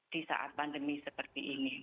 di saat pandemi seperti ini